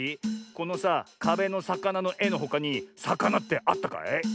このさかべのさかなのえのほかにさかなってあったかい？